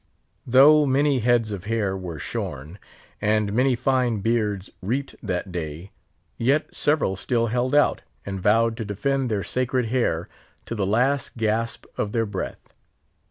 Though many heads of hair were shorn, and many fine beards reaped that day, yet several still held out, and vowed to defend their sacred hair to the last gasp of their breath.